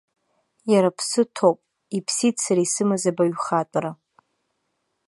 Иара аԥсы ҭоуп, иԥсит сара исымаз абаҩхатәра.